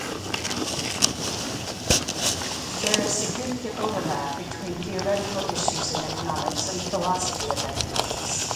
There is significant overlap between theoretical issues in economics and the philosophy of economics.